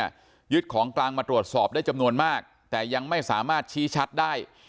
ยึดของกลางมาตรวจสอบได้จำนวนมากแต่ยังไม่สามารถชี้ชัดได้